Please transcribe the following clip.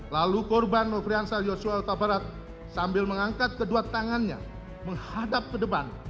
lalu korban nofriansah yosua utabarat sambil mengangkat kedua tangannya menghadap ke depan